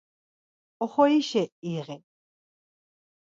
Oxorişe iği.